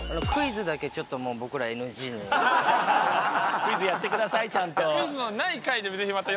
クイズやってくださいちゃんと。